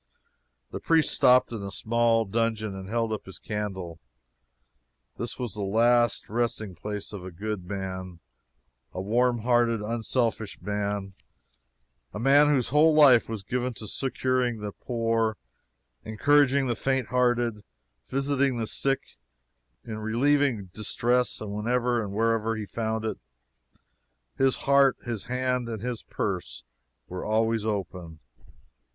The priest stopped in a small dungeon and held up his candle. This was the last resting place of a good man, a warm hearted, unselfish man; a man whose whole life was given to succoring the poor, encouraging the faint hearted, visiting the sick; in relieving distress, whenever and wherever he found it. His heart, his hand, and his purse were always open.